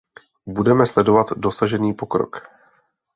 Budeme sledovat dosažený pokrok.